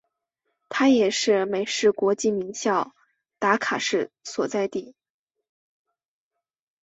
它也是是美式国际名校达卡市所在地。